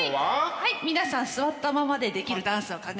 はい皆さん座ったままでできるダンスを考えてきましたよ。